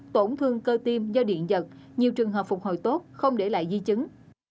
tổn thương cơ tim do điện giật nhiều trường hợp phục hồi tốt không để lại di chứng